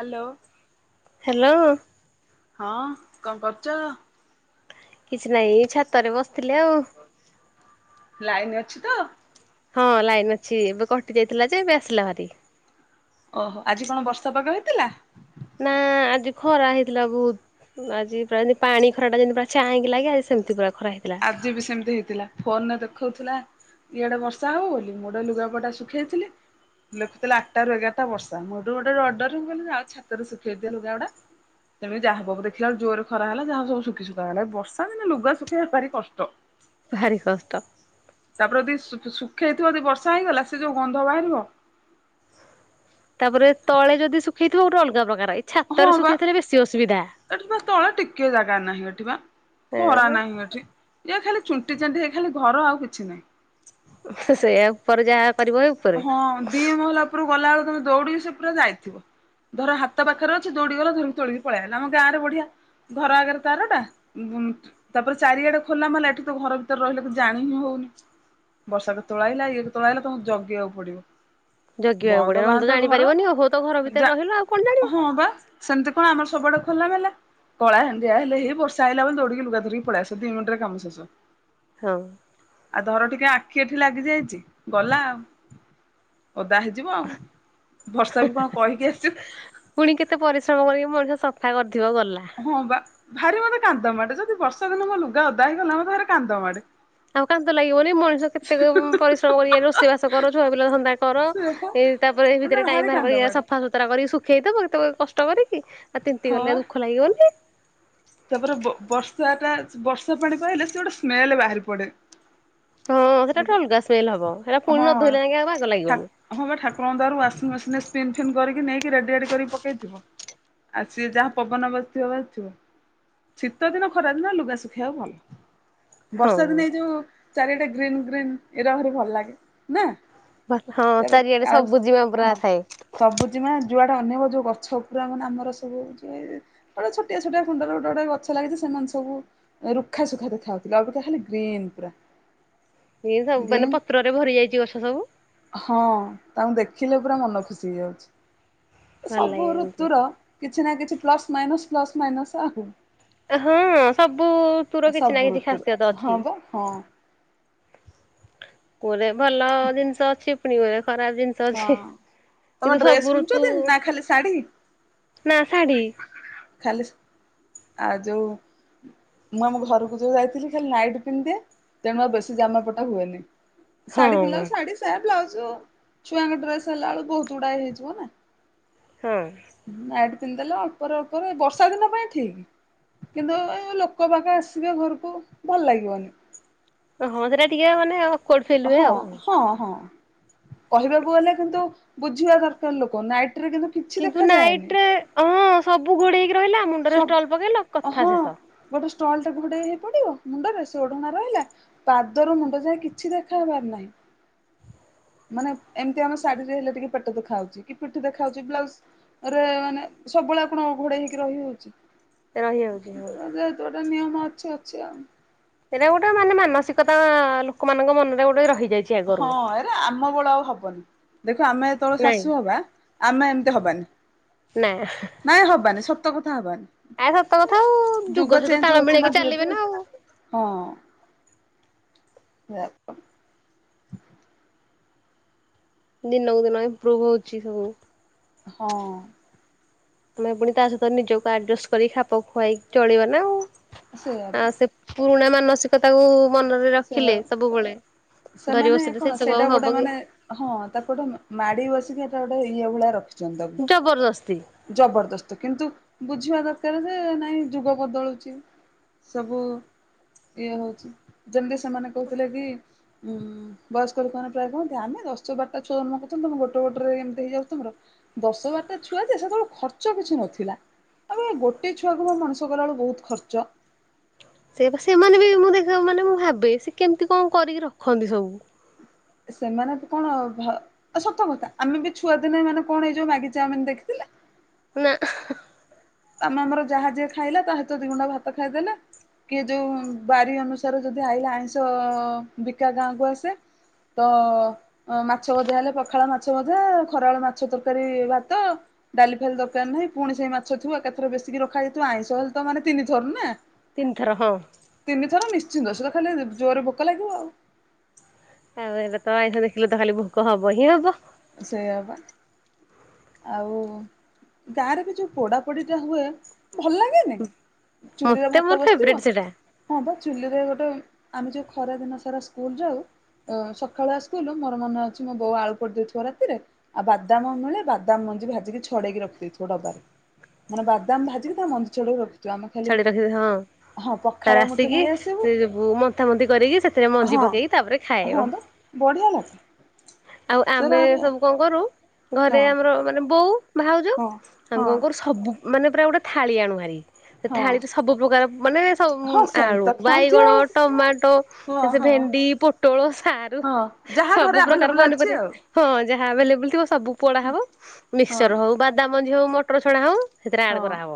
Hello. Hello. ହଁ କଣ କରୁଚ? କିଛି ନାହିଁ ଏ ଛାତରେ ବସିଥିଲେ ଆଉ। ଲାଇନ ଅଛି ତ? ହଁ, ଲାଇନ ଅଛି ଏବେ କଟି ଯାଇଥିଲା ଯେ ଏବେ ଆସିଲା ଭାରି। ଓହୋ ଆଜି କଣ ବର୍ଷା ପାଗ ହେଇଥିଲା? ନା। ଆଜି ଖରା ହେଇଥିଲା ବହୁତ, ଆଜି ପ୍ରାୟ ପାଣି ଖରା ଟା ଯେମିତି ପୁରା ଚାଇଁ କି ଲାଗେ ଆଜି ସେମିତି ପୁରା ଖରା ହେଇଥିଲା। ଆଜି ବି ସେମିତି ହେଇଥିଲା ଫୋନରେ ଦେ ଖଉଥିଲା ଇଆଡେ ବର୍ଷା ହବ ବୋଲି ମୁୋଡ ଲୁଗାପଟା ଶୁଖେଇଥିଲି। ଲେଖୁଥିଲା ଆଠଟା ରୁ ଏଗାରଟା ବର୍ଷା, ମୁଁ ହେଠୁ ଗୋଟେ ରଡ ରେ ମୁଁ କହିଲି ଯାଉଚି ଛାତରେ ଶୁଖେଇଦିଏ ଲୁଗା ଗୁଡା ତେବେ ଯାହାବୁ ଦେଖିଲା ବେଳେ ଜୋରେ ଖରା ହେଲା ଯାହା ସବୁ ସୁଖିସୁଖା ଗଲା ବର୍ଷା ଦିନ ଲୁଗା ସୁଖ ଖିବା ଭାରି କଷ୍ଟ। ଭାରି କଷ୍ଟ। ତାପରେ ଯଦି ଶୁ-ଶୁଖେଇ ହେଇଥିବ ଯଦି ବର୍ଷା ହେଇଗଲା ସେ ଯୋଉ ଗନ୍ଧ ବାହାରିବ। ତାପରେ ତଳେ ଯଦି ସୁଖେଇଥିବ ଗୋଟେ ଅଲଗ ପ୍ରକାର ଏଇ ହଁ ଛାତରେ ବା ଶୁଖେଇ ଥିଲେ ବେଶି ଅସୁବି ଏଠି ବା ତଳେ ଟିକେ ଜାଗା ନାହିଁ ଏଠି ବା ଖରା ନାହିଁ ଏଠି ଯିଏ ଖାଲି ଚୁଣ୍ଟିଚାନ୍ତି ହେଇ ଖାଲି ଘର ଆଉ କିଛି ନାହିଁ। ସେଇୟା ଉପରେ ଯାହା କରିବ ଉପରେ। ହଁ ଦି ମହଲା ପରୁ ଗଲାବେଳୁ ତମେ ଦୌଡିକି ସେ ପୁରା ଯାଇଥିବ। ଧର ହାତ ପାଖରେ ଅଛି ଦୌଡି ଗଲେ ଧର ତୋଳିକି ପଲେଇ ଆଇଲ ଆମ ଗାଁରେ ବଢିଆ। ଘର ଆଗରେ ତାରଟା ଉଁ ତାପରେ ଚାରିଆଡେ ଖୋଲା ମଲେ ଏଠି ତ ଘର ଭିତରେ ରହିଲା କିଛି ଜାଣି ହିଁ ହଉ ବର୍ଷା କେତେବେଳେ ଆଇଲା ଇଏ କେତେବେଳେ ଆଇଲା ତମକୁ ଜଗିବାକୁ ପଡିବ। ଜଗିବାକୁ ବନ୍ଦ ପଡିବ ନହେଲେ ତ ବାନ୍ଦ ଘର ଜାଣିପାରିବନି ଓହୋ ତ ଘର ଭିତରେ ଯା ରହିଲ ଆଉ କଣ ଜାଣିବ ହଁ ବା ସେମିତି କଣ ଆମର ସବୁ ବଡ ଖୋଲା ମେଲା। କଳା ହାଣ୍ଡିଆ ହେଲେ ହେଇ ବର୍ଷା ଆଇଲା ବୋଲି ଦଉଡିକି ଲୁଗା ଧରିକି ପଳେଇ ଆସ ଦି ମିନିଟ୍ ରେ କାମ ଶେଷ। ହଁ। ଆଉ ଧର ଟିକେ ଆଖି ଏଠି ଲାଗି ଯାଇଛି ଗଲା ଆଉ। ଓଦା ହେଇଯିବ ଆଉ। ବର୍ଷା ବି କଣ କହିକି ଆସିବ ପୁଣି କେତେ ପରିଶ୍ରମ କରିବି ମଣିଷ ସ ଫା କରିଥିବ ଗଲା। ହଁ ବା। ଭାରି ମତେ କାନ୍ଦ ମାଡ଼େ ଯଦି ବର୍ଷା ଦିନ ମୋ ଲୁଗା ଅଦା ହେଇଗଲା ମତେ ଭରି କାନ୍ଦ ମାଡେ। ଆଉ କାନ୍ତ ଲାଗିବନି ମଣିଷ କେତେ ଉଁ ପରିଶ୍ରମ କରିକି ରୋଷେଇ ବାସ କର ଛୁଆ ପିଲା ଦାନ୍ଧା କର ସେ ଏ। ତାପରେ ଏ ମାନେ ଭିତରେ ଟାଇମ ଭାରି ବାହାର କାନ୍ଦ କରି ମାଡେ ସଫାସତୁରା କରି ଶୁଖେଇଥବ କେତେ କଷ୍ଟ କଷ୍ଟ କରିକି ଆଉ ତିନ୍ତି ହଁ ବା। ଗଲେ ଦୁଖ ଲାଗିବନି। ତାପରେ ବ-ବର୍ଷାଟା ବର୍ଷା ପାଣି ପାଇଲେ ସେ ଗୋଟେ ସ୍ମେଲ ବାହାରି ପଡେ। ହଁ ସେଟା ଗୋଟେ ଅଲଗା ସ୍ମେଲ ହବ [unintelligible] ସେଟା ପୁଣି ହଁ ନ ଧୋଇଲେ ଯାକେ ଆଉ ବାଗ ଠା ଲାଗିବନି। ହଁ ଠାକୁରଙ୍କ ଦୟା ରୁ ୱାଶିଁ ମେସିନରେ ଫିନ ଫନ୍ କରିକି ନେଇକି ରେଡି ରାଡି କରିକି ପକେଇଥିବ। ଆଉ ସିଏ ଯାହା ପବନ ବାଜିଥିବ ବାଜିଥିବ। ଶୀତ ଦିନ ଖରାଦିନ ଲୁଗା ଶୁଖେଇବାକୁ ଭଲ। ହଁ ବର୍ଷା ଦିନେ ଏଇ ଯୋଉ ଚାରିଆଡ଼େ ଗ୍ରୀନ୍ ଗ୍ରୀନ୍ ଏଇରା ଭରି ଭଲ ଲାଗେ ନା। ହଁ ଚାରିଆଡେ ଆଉ ସବୁଜିମା ପୁରା ହଁ ଥାଏ। ସବୁଜିମା ଯୁଆ ଅନେଇବ ଯୋଉ ଗଛ ପୁରା ମାନ ଆମର ସବୁ ଯ ଗୋଟେ ଛୋଟିଆ ଛୋଟିଆ ଖୁଣ୍ଡରେ ଗୋଟେ ଗୋଟେ ଗଛ ଲାଗିଛି ସେମାନେ ସବୁ ରୁଖା ସୁୁଖା ଦେଖାଉଥିଲା ଆଉ ଗ ଖାଲି ଗ୍ରୀନ୍ ପୁରା। ଏ ସବୁ ମାନେ ଗ୍ରୀନ ପତ୍ରରେ ଭରି ଯାଇଛି ଗଛ ସବୁ ହଁ ତାଙ୍କୁ ଦେଖି ଦେଖିଲେ ପୁରା ମନ ଖୁସି ହେଇଯାଉଛି ଭଲ ସବୁ ଲାଗେ ଏମିତି। ଋତୁର କିଛି ନା କିଛି ପ୍ଲସ ମାଇନସ୍ ପ୍ଲସ ମାଇନସ ଆହୁ ହଁ ସବୁ ତୁର କିଛି ନା ସବୁ କିଛି ଋତୁର ଖାସିଅତ ଅଛି। ହଁ ବା ହଁ କୋରେ ଭଲ ଜିନିଷ ଅଛି ପୁଣି କୋରେ ଖରାପ ଜିନିଷ ଅଛି ହଁ। ତମେ କିନ୍ତୁ ଡ୍ରେସ ସବୁ ଋତୁ ପିନ୍ଧୁଛନ୍ତି ନା ଖାଲି ଶାଢୀ ନା ଶାଢ଼ୀ ଖାଲି ଆ ଯଉ ମୁଁ ଆମ ଘରକୁ ଯୋଉ ଯାଇଥିଲି ଖାଲି ନାଇଟ୍ ପିନ୍ଧିଦିଏ ତେଣୁ ଆଉ ବେଶୀ ଜାମା ପଟା ହୁଏନି। ହଁ ସାଢି ପିନ୍ଧିଲାଉଜ ସାଢି ସାୟା ବ୍ଲାଉଜ ଛୁଆଙ୍କ ଡ୍ରେସ୍ ହେଲା ବେଳୁ ବହୁତ ଗୁଡାଏ ହେଇଯିବ ନା ହଁ ମା ପିନ୍‌ଦେଲେ ଅଳ୍ପରେ ଅଳ୍ପରେ ବର୍ଷା ଦିନ ପାଇଁ ଠିକ। କିନ୍ତୁ ଏ ଲୋକ ଵାକ ଆସିବେ ଘରକୁ ଭଲ୍ ଲାଗିବନି। ଓ ହଁ ସେଟା ଟିକେ ମାନେ ଅ ହଁ ହଁ ହଁ। କହିବାକୁ ଗଲେ କିନ୍ତୁ ବୁଝିବା ଦରକାର୍ ଲୋକ ନାଇଟ୍। କିନ୍ତୁ ନାଇଟ୍ ରେ ହଁ ସବୁ ଘୋଡେଇକି ରହିଲା ମୁଣ୍ଡରେ ଷ୍ଟଲ ପକେଇଲ କଥା ଶେଷ। ଷ୍ଟଲଟେ ଘୋଡେଇ ହେଇ ପଡିବ ମୁଣ୍ଡରେ ସେ ଓଢଣା ରହିଲା ପାଦରୁ ମୁଣ୍ଡ ଯାଏ କିଛି ଦେଖା ହବାର ନାହିଁ। ମାନେ ଏମ୍‌ତି ଆମ ଶାଢୀରେ ହେଲେ ଟିକେ ପେଟ ଦେଖାହୋଉଛି କି ପିଠି ଦେଖା ହୋଉଛି ବ୍ଲାଉଜ୍ ରେ ମାନେ ସବୁବେଳେ ଆଉ କଣ ଘୋଡେଇ ହେଇକି ରହିହୋଉଚି ରହିଯାଉଚି ହଁ। ତ ନିୟମ ଅଛି ଅଛି ଆଉ। ସେଇଟା ଗୋଟେ ମାନେ ମାନସିକତା ଆ ଲୋକମାନଙ୍କ ମନରେ ଗୋଟେ ରହି ହଁ ଏରେ ଆମ ବେଳେ ଆଉ ହବନି ଦେଖ ଆମେ ଯେତେବେଳେ ନାଇଁ। ଶାଶୁ ହବା ଆମେ ଏମିତି ହବାନି ନା ନାଇଁ ହବାନି ସତ କଥା ହବାନି। ଆ ସତ କଥା ଆଉ ଯୁଗ ସହିତ ଚେଞ୍ଜ ତାଳ ହଉଛି ନା ମିଳେଇକି ଧୀରେ ଚାଲିବେ ଧୀରେ। ନା ଆଉ। ହଁ। ଯାହା କ ଦିନକୁ ଦିନ ଇମ୍ପ୍ରୁଭ୍ ହୋଉଚି ସବୁ। ହଁ। ତମେ ପୁଣି ତା ସହିତ ନିଜକୁ ଅର୍ଜଷ୍ଟ କରି ଖାପ ଖୁଆଇକି ଚଳିବ ନା ଆଉ। ସେଇଆ ଆ ପା। ସେ ପୁରୁଣା ମାନସିକତାକୁ ମନରେ ସେଇଆ ରଖିଲେ ସବୁବେଳେ ଧରି ସେମାନେ ବସିଲେ ସେ କଣ ସବୁ ଆଉ ସେଇଟା ହବ ଗୋଟେ କି? ମାନେ ହଁ ତାକୁ ଗୋଟେ ମାଡି ବସିକି ହେଟା ଟା ଇଏ ଭଳିଆ ରଖିଛନ୍ତି ଜବରଦସ୍ତି। ତାକୁ ଜବରଦସ୍ତ କିନ୍ତୁ ବୁଝିବା ଦରକାର ଯେ ନାଇଁ ଯୁଗ ବଦଳୁଚି ସବୁ ଇଏ ହୋଉଚି। ଯେମିତି ସେମାନେ କୋହୁଥିଲେ କି ଉଁ ବୟସ୍କ ଲୋକମାନେ ପ୍ରାୟତଃ କୁହନ୍ତି ଆମେ ଦଶ ବାରଟା ଛୁଆ ଜନ୍ମ କରିଚନ୍ତି ଗୋଟେ ଗୋଟରେ ଏମିତି ହେଇଯାଉଚି ତମର ଦଶ ବାରଟା ଛୁଆ ଯେ ସେତେବେଳେ ଖର୍ଚ୍ଚ କିଛି ନଥିଲା। ଆବେ ଗୋଟେ ଛୁଆକୁ ପା ମଣିଷ କଲାବେେଳକୁ ବହୁତ ଖର୍ଚ୍ଚ ସେଇପା ସେମାନେ ବି ମୁଁ ଦେଖ ମାନେ ମୁଁ ଭାବେ ସେ କେମିତି କଣ କରିକି ରଖନ୍ତି ସବୁ। ସେମାନେ କଣ ଘ ସତକଥା ଆମେ ବି ଛୁଆ ଦିନେ ମାନେ କଣ ଏଇ ଯୋଉ ମ୍ୟାଗି ଚାମିନ୍ ଦେଖିଥିଲେ। ନା ହ। ତମେ ଆମର ଯାହା ଯିଏ ଖାଇଲା ତା ସହିତ ଦିଇ ଗୁଣ୍ଡା ଭାତ ଖାଇଦେଲେ କିଏ ଯୋଉ ବାରି ଅନୁସାରେ ଯଦି ଆଇଲା ଆଇଁଷ ବିକା ଗାଁ କୁ ଆସେ ତ ମାଛ ଭଜା ହେଲେ ପଖାଳ ମାଛ ଭଜା ଖରାବେଳେ ମାଛ ତରକାରୀ, ଭାତ ଡାଲି ଫାଲି ଦରକାର ନାହିଁ। ପୁଣି ସେଇ ମାଛ ଥିବ ଏକାଥର ବେଶିକି ରଖାଯାଇଥିବ ଆଇଁଷ ହେଲେ ତ ମାନେ ତିନିଥର ନା। ତିନିଥର ହଁ। ଶୀଘ୍ର ଶୀଘ୍ର ଖାଇଲେ ଜୋରରେ ଭୋକା ଲାଗିବ ଆଉ। ଆଉ ଏବେ ତ ଆଇଁସ ଦେଖିଲେ ତ ଖାଲି ଭୋକ ହବ ହିଁ ହବ। ସେୟା ପା। ଆଉ ଗାଁରେ ବି ଯୋଉ ପୋଡାପୋଡି ଟା ହୁଏ ଭଲ ଲାଗେନି? ଚୁଲିରେ ମତେ ମୋର ଭାତ ଫେବରେଟ ବସିଥିବ ସେଟା ହଁ ପା ଚୁଲିରେ ଗୋଟେ ଆମେ ଯୋଉ ଖରା ଦିନ ସାରା ସ୍କୁଲ ଯାଉ ଅ ସକାଳୁଆ ସ୍କୁଲ ମୋର ମନେ ଅଛି। ମୋ ବୋଉ ଆଳୁ ପୋଡିଦୋଉଥିବ ରାତିରେ ଆଉ ବାଦାମ ମିଳେ ବା ଦାମ ମଞ୍ଜି ଭାଜିକି ଛଡେଇକି ରଖିଦେଇଥିବ ଡବାରେ ମାନେ ବାଦାମ ଭାଜିକି ତା ମଞ୍ଜି ଛଡେଇକି ରଖି ଛଢେଇ ରଖି ହଁ। ପଖାଳ ତାର ମୁଠେ ଆସିକି ନେଇ ଆସିବୁ ସେ ବୁ ମନ୍ଥାମନ୍ଥି କରିକି ସେଥିରେ ମଞ୍ଜି ହଁ ପକେଇକି ତାପରେ ହଁ ଖାଇବ। ବା ବଢିଆ ଲାଗେ। ଆଉ ଆମେ ସେରା ବି। ସବୁ କଣ କରୁ ହଁ ଘରେ ଆମର ମାନେ ବୋଉ ଭାଉଜ ହଁ ଆମ ହଁ କଣ କରୁ ସବୁ ମାନେ ପୁରା ଗୋଟେ ଥାଳି ଆଣୁ ଭାରି ସେ ହଁ ଥାଳିରେ ସବୁ ପ୍ରକାର ମାନେ ସବ ହଁ ସେମିତି ଆଳୁ ତ ଖାଆନ୍ତି ବାଇଗଣ ଆଉ ଟମାଟୋ ହଁ ସେ ଭେ ହଁ ଣ୍ଡି ପୋଟଳ, ସାରୁ ହଁ ଯାହା ଘରେ ସବୁ ପ୍ରକାର ଆଭେଲେବୁଲ ଅଛି ଆଉ। ପନିପରିବା ହଁ। ଯାହା ଆଭେଲେବୁଲ ଥିବ। ସବୁ ପୋଡା ହବ ହଁ ମିକ୍ସଚର ହୋଉ ବାଦାମଞ୍ଜି ହୋଉ ମଟର ଛଣା ହୋଉ ସେଥିରେ ଆଡ୍ ହଁ କରାହବ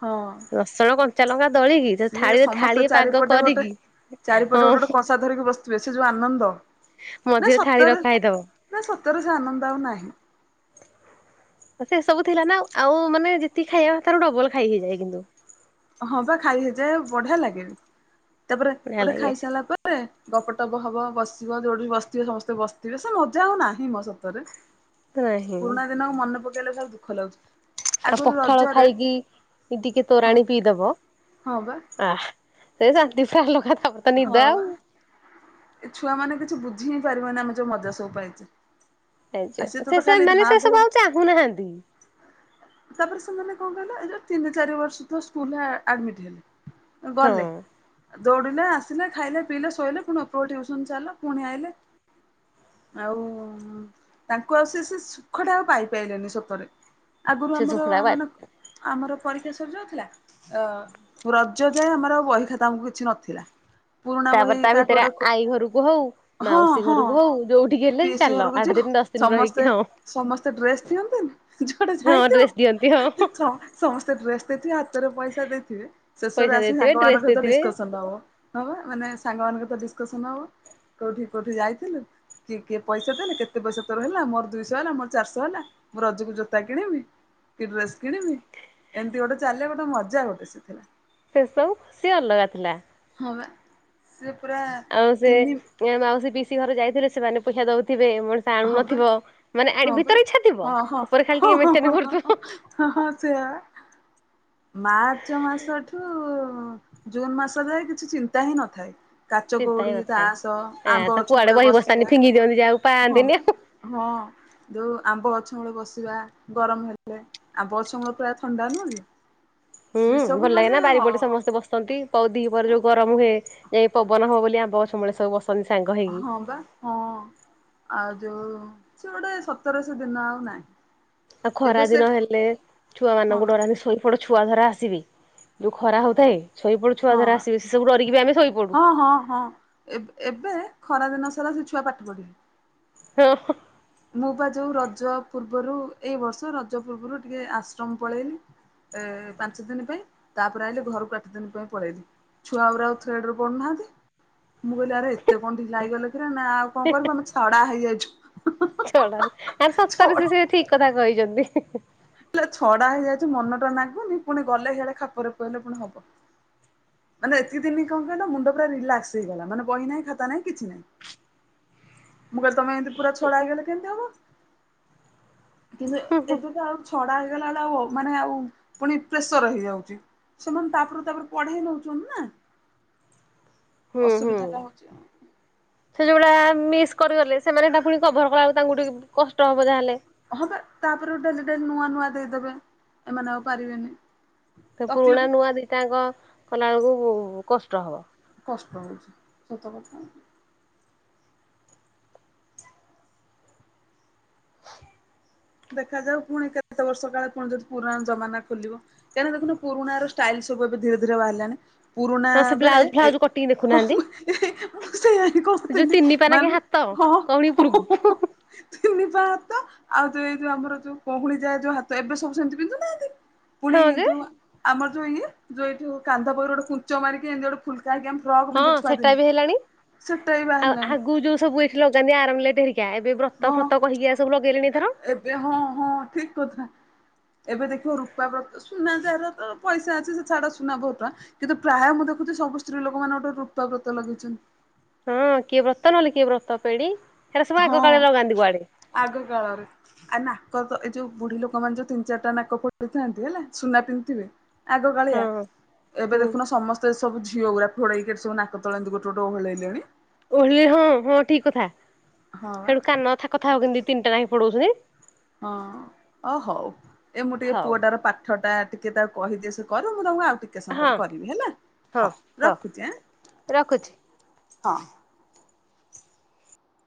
ହଁ। ରସୁଣ କଞ୍ଚାଲଙ୍କା ଦଳିକି ସିଏ ଥାଳିରେ ସମସ୍ତେ ଥାଳି ପାଗ ଚାରିପଟେ ଗୋଟେ କରିକି ଚାରିପଟେ ଗୋଟେ ଗୋଟେ ହଁ। କଂସା ଧରିକି ସେ ଯୋଉ ଆନନ୍ଦ ନା ମଝିରେ ଥାଳି ସତରେ ରଖା ହେଇଥିବ ନା ସତରେ ସେ ଆନନ୍ଦ ଆଉ ନାହିଁ। ସେ ସବୁ ଥିଲା ନା ଆଉ ମାନେ ଯେତିକି ଖାଇବା ତାର ଡବଲ ଖାଇ ହେଇଯାଏ କିନ୍ତୁ। ହଁ ବା ଖାଇ ହେଇଯାଏ ବଢିଆ ଲାଗେନି, ତାପରେ ବଢିଆ ଗୋଟେ ଲାଗେ। ଖାଇ ସାରିଲା ପରେ ଗପଟପ ହବ ବସିବ ଯୋଉଠି ବସିଥିବେ ସମସ୍ତେ ବସିଥିବେ ସେ ମଜା ଆଉ ନାହିଁ ମୋ ସତରେ। ନାହିଁ ପୁରୁଣା ଦିନକୁ ମନେ ପକେଇଲେ ଖାଲି ଦୁଃଖ ଲାଗୁଛି। ଆଉ ଆଗରୁ ପଖାଳ ରଜରେ ଖାଇକି ଟିକେ ତୋରାଣି ପିଇଦବ। ହ ବା। ସେଇ ଶାନ୍ତି ପ୍ରାୟ ଲୋକତ ହଁ ବା ଏ ଛୁଆ ମାନେ କିଛି ବୁଝ୍ ବୁଝି ହିଁ ପାରିବେନି ଆମେ ମଜା ଯାଉ ପାଇଚେ। ଚେ ସେ ସେମାନେ ସେ ସବୁ ଆଉ ଚାହୁଁନାହାନ୍ତି। ତାପରେ ସେମାନେ କଣ କହିଲେ ଏ ଯୋଉ ତିନି ଚାରି ବର୍ଷ ତ ସ୍କୁଲରେ ଆ ଆଡମିଟ ହେଲେ। ହଁ। ଦୌଡ଼ିଲେ ଆସିଲେ ଖାଇଲେ ପିଇଲେ ଶୋଇଲେ ପୁଣି ଉପର ବୋଳି ଟିଉସନ ଚାଲ ପୁଣି ଆଇଲେ। ଆଉ ତାଙ୍କୁ ଆଉ ସେ ସେ ସୁଖ ଟା ଆଉ ପାଇପାଇଲେନି ସତରେ। ଆଗରୁ ସେ ଆମର ଶୁଖୁଳା ବା ମାନେ ଆମର ପରୀକ୍ଷା ସରିଯାଉଥିଲା ଅ ରଜ ଯାଏ ଆମର ଆ ବହି ଖାତା ଆମକୁ କିଛି ନଥିଲା। ପୁରୁଣା ବହି ତାପରେ ତା କାଠୁ ଭିତରେ ଗୋଟେ ଆଈ ଘରକୁ ହଉ ହଁ ମାଉସୀ ହଁ ଘରକୁ ହଉ ଯୋଉଠିକି ହେଲେ ପିସି ଚାଲ ଘରକୁ ଆଠ ଯିବୁ ଦିନ ଦଶ ଦିନ ରହିକି ସମସ୍ତେ ହଁ ସମସ୍ତେ ଡ୍ରେସ୍ ଦିଅନ୍ତନି ଜ ହଁଡ୍ରେସ୍ ଦିଅନ୍ତୁ ସମସ୍ତେ ଡ୍ରେସ ଦେଇଥିବେ ହାତରେ ପଇସା ଦେଇଥିବେ ଶେଷରେ ପଇସା ଆସିକି ଦେଇଥିବେ ଡ୍ରେସ ସାଙ୍ଗମାନଙ୍କ ସହିତ ଦେଇଥିବେ ଡିସକସନ ହବ। ହଁବା ମାନେ ସାଙ୍ଗ ମାନଙ୍କ ସହିତ ଡିସକସନ ହବ। କୋଉଠି କୋଉଠି ଯାଇଥିଲୁ କି କିଏ ପଇସା ଦେଲେ କେତେ ପଇସା ତୋର ହେଲା ମୋର ଦୁିଶହ ହେଲା ମୋର ଚାରିଶହ ହେଲା। ମୋର ରଜକୁ ଯୋ ତା କିଣିବି କି ଡ୍ରେସ କିଣିବି ଏମତି ଗୋଟେ ଚାଲିଲ ଗୋଟେ ମଜା ଗୋଟେ ସେଥିଲା। ସେ ସବୁୁଖୁସି ଅଲଗା ଥିଲା। ହପା ସେ ପୁରା ଆଉ ସେ ତିନି ମାଉସୀ ପିସି ଘରେ ଯାଇଥିଲେ ସେମାନେ ପଇସା ଦଉଥିବେ ଏ ମଣିଷ ଆଣୁ ହଁ ବା ନଥିବ ମାନେ ଆ ହଁ ବା ଭିତରେ ଇଛା ଥିବ ହଁ ହଁ ଉପରେ ଖାଲି ଟିକେ ହଁ ହଁ ମନା ହଁ ହଁ କରୁଥିବ। ହଁ ହଁ ସେୟା ପା ମାର୍ଚ୍ଚ ମାସଠୁ ଜୁନ୍ ମାସରେ କିଛି ଚିନ୍ତା ହିଁ ନଥାଏ। କାଚ ଚିନ୍ତା ହିଁ କଉଡି ନଥାଏ। ତାସ ଆ ତ ଆମ୍ବ ଗଛ କୁଆଡେ ମୂଳେ ବହି ବସ୍ତାନି ବସିବା ଫିଙ୍ଗି ଦିଅନ୍ତି ଯାହାକୁ ହଁ ପାଆନ୍ତିନି ବା ଆଉ। ହଁ ଯୋଉ ଆମ୍ବ ଗଛ ମୂଳେ ବସିବା ଗରମ ହେଲେ ଆମ୍ବ ଗଛ ମୂଳ ପୁରା ଥଣ୍ଡା ନୁହଁ କି। ହୁଁ ସେ ସବୁ ଭଲ ଲାଗେ ମାନେ ନା ବାରିପଟେ ସମସ୍ତେ ବସନ୍ତି ପଉଧି ପରେ ଯୋଉ ଗରମ ହୁଏ ଯାଇ ପବନହବ ବୋଲି ଆମ୍ୱ ଗଛ ମୂଳେ ଯାଇ ବସ ହଁ ବା ହଁ। ଆଉ ଯୋଉ ସେ ଗୋଟେ ସତରେ ସେଦିନ ଆଉ ନାହିଁ। ଆଉ ଖରା ଏବେ ସେ ଦିନ ହେଲେ ଛୁଆ ହଁ ମାନଙ୍କୁ ବା ଡରାନ୍ତି ଶୋଇ ପଡ ଛୁଆ ଧରା ଆସିବ ଯୋଉ ଖରା ହଉଥାଏ। ଶୋଇପଡୁ ଛୁଆ ହଁ ଧରା ଆସିବେ ସେ ସବୁ ଡରିକି ବି ଆମେ ଶୋଇପଡୁ। ହଁ ହଁ ହଁ ଏବ ଏବେ ଖରାଦିନ ଛୁଆ ପାଠ ପଢିବେ ହଁ। ମୁଁ ବା ଯୋଉ ରଜ ପୂର୍ବରୁ ଏଇ ବର୍ଷ ରଜ ପୂର୍ବରୁ ଟିକେ ଆଶ୍ରମ ପଳେଇଲି। ଏ ପାଞ୍ଚ ଦିନ ପାଇଁ ତାପରେ ଆଇିଲେ ଘରକୁ ଆଠ ଦିନ ପାଇଁ ପଳେଇଲି। ଛୁଆଗୁରା ଆଉ ଥ୍ରେଡରେ ପଢୁନାହାନ୍ତି ମୁଁ କହିଲି ଆରେ ଏତେ କଣ ଢିଲା ହେଇଗଲେ ରେ ନା ଆଉ କଣ କରିବୁ ଆମେ ଛଡା ହେଇଯାଇଛୁ। ଛଡ଼ା ଆ ସତରେ ସେ ଛଡା ସେ ଠିକ କଥା କହିଛନ୍ତି। ହେଲା ଛଡା ହେଇଯାଇଛି ମନ ଟା ନାଗୁନି ପୁଣି ଗଲେ ସେଇଆଡେ ଖାପରେ ପଇଲେ ପୁଣି ହବ। ମାନେ ଏତିକି ଦିନ କଣ କହିଲା ମୁଣ୍ଡ ପୁର ରିଲାକସ ହେଇଗଲା ମାନେ ବହି ନାହିଁ ଖାତା ନାହିଁ କିଛି ନାହିଁ। ମୁଁ କହିଲି ତମେ ଏମିତି ପୁରା ଛଡା ହେଇଗଲେ କେମିତି ହବ। କିନ୍ତୁ ଏବେକା ଆଉ ଛଡା ଗଲା ବେ ଆ ମାନେ ଆଉ ପୁଣି ପ୍ରେସର ହେଇଯାଉଛି ସେମାନେ ତାପରୁ ତାପରେ ପଢେଇ ନଉ ନା ହୁଁ ହୁଁ। ଅସୁବିଧା ଟା ହଉଛି ଆଉ। ସେ ଯଉଡା ମିସ୍ କରି ଗଲେ ସେମାନେ ସେଟା ପୁଣି କଭର କଲା ବେଳକୁ ତାଙ୍କୁ ଟିକେ କଷ୍ଟ ହବ ଯାହେଲେ। ହଁବା ତାପରେ ଗୋଟେ ଡେଲି ଡେଲି ନୂଆ ନୂଆ ଦେଇଦେବେ ଏମାନେ ଆଉ ପାରିବେନି। ସେ ପୁରୁଣା ତକଲିଫ ନୂଆ ଦିଟାଙ୍କ କଲା ବେଳକୁ କଷ୍ଟ ହବ। କଷ୍ଟ ହଉଛି ସତକଥା। ଦେଖାଯାଉ ପୁଣି କେତେ ବର୍ଷ କାଳେ ପୁଣି ଯଦି ପୁରୁଣା ଜମାନା ଖୋଲିବ କାହିଁକିନା ଦେଖୁ ନୁ ପୁରୁଣାର ଷ୍ଟାଇଲ ସବୁ ଏବେ ଧୀରେ ଧୀରେ ବାହାରିଲାଣି। ପୁରୁଣା ହଁ ସେ ବେଳେ ବ୍ଲାଉଜ ଏ ଫ୍ଲାଉଜ କଟିକି ଦେଖୁନାହାନ୍ତି। ମୁଁ ସେଆ ହି କହୁଥିଲି ମାନେ କୋହୁଣି ଉପରୁକୁ। ତିନିପା ହାତ ଆଉ ଯୋ ଏଇ ଯୋଉ ଆମର ଯୋଉ କୋହୁଣୀ ଯାଏ ଯୋଉ ହାତ ଏବେ ସବୁ ସେମିତି ପିନ୍ଧୁ ନାହାନ୍ତି। ପୁଣି ହଁ ଯେ ଯୋଉ ଆମର ଯୋଉ ଇଏ ଯୋଉଏଇଠୁ କାନ୍ଧ ପାଖରୁ ଗୋଟେ କୁଞ୍ଚ ମାରିକି ଏମିତି ଗୋଟେ ଫୁଲ ଯାଇକି ଆମେ ଫ୍ରକ୍ ହଁ ବିତି ଛୁଆ ସେଟା ଦିନେ ବି ହେଲାଣି। ସେଟା ବି ଆଉ ବାହାରିଲାଣି। ଆଗକୁ ଯୋଉ ସବୁ ଏଠି ଲଗାନ୍ତି ଆରମଲେଟ ହେରିକା ଏବେ ବ୍ରତ ହଁ ଫ୍ରତ କହିକି ଏରା ସବୁ ଲଗେଇଲେଣି ଏଥର। ଏବେ ହଁ ହଁ ଠିକ କଥା। ଏବେ ଦେଖିବ ରୂପା ବ୍ରତ ସୁନା ଯାହାର ତ ପଇସା ଅଛି ସେ ଛାଡ ସେ ସୁନା ବହୁତ ଟଙ୍କା କିନ୍ତୁ ପ୍ରାୟ ମୁଁ ଦେଖୁଛି ସବୁ ସ୍ତ୍ରୀ ଲୋକ ମାନେ ଗୋଟେ ରୂପା ବ୍ରତ ଲଗେଇଛନ୍ତି। ହଁ କିଏ ବ୍ରତ ନହେଲେ କିଏ ବ୍ରତ ପେଡି। ହେରା ସବୁ ଆଗ ହଁ କାଳରେ ଲଗାନ୍ତି କୁଆଡେ। ଆଗ କାଳରେ ନା। ଏପନ୍ତ ଏଇ ଯୋଉ ବୁଢୀ ଲୋକମାନେ ଯଉ ତିିନ ଚାରିଟା ନାକ ଫୋଡେଇ ଥାନ୍ତି ହେଲା ସୁନା ପିନ୍ଧିଥିବେ। ଆଗ ହଁ କାଳିଆ ଏବେ ହୁଁ ଦେଖୁନ ସମସ୍ତେ ଏ ସବୁ ଝି ଝିଅ ଗୁଡା ଫୋଡେଇକି ଏଠି ସବୁ ନାକ ତଳେ ଗୋଟେ ଗୋଟେ ଓହଳେଇଲେଣି। ଓହଳିରେ ହଁ ହଁ ଠିକ କଥା ହଁ ବା ସେଣୁ କାନ ଥାକଥାକ କେମିତି ଦି ତିନିଟା ନାଖେ ଫୋଡୋଉଛନ୍ତି। ହଁ ଓ ହଉ ଏ ମୁଁ ଟିକେ ହଉ ପୁଅଟାର ପାଠ ଟା ଟିକେ ଟିକେ ତାକୁ କହିଦିଏ ସେ କରୁ ମୁଁ ତମୁକୁ ଆଉ ଟିକେ ସମୟ ହଁ ପରେ କରିବି ହେଲା ହଁ ରଖୁଛି ଆ। ରଖୁଛି। ହଁ।